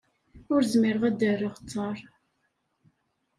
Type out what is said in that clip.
Ur zmireɣ ad d-erreɣ ttaṛ.